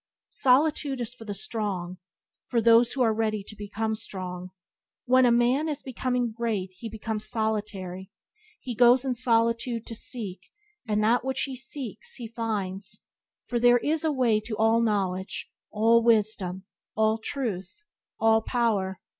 Solitude is for the strong, or for those who are ready to become strong. When a man is becoming great, he becomes solitary. He goes in solitude to seek, and that which he seeks, he finds, for there is a Way to all knowledge, all wisdom, all truth, all power.